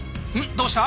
どうした？